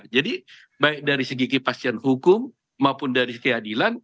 jadi baik dari segi kepastian hukum maupun dari keadilan